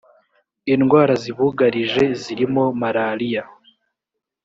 indwara zibugarije zirimo maraliya